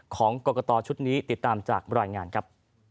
ของกรกตชุดนี้ติดตามจากรายงานครับ